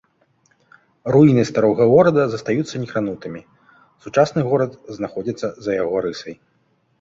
Руіны старога горада застаюцца некранутымі, сучасны горад знаходзіцца за яго рысай.